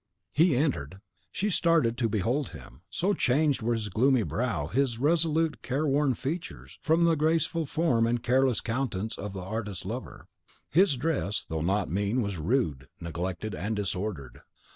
He entered. She started to behold him, so changed were his gloomy brow, his resolute, careworn features, from the graceful form and careless countenance of the artist lover. His dress, though not mean, was rude, neglected, and disordered.